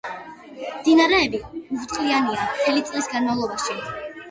მდინარეები უხვწყლიანია მთელი წლის განმავლობაში.